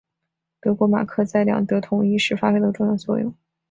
德国马克在两德统一时发挥了重要作用。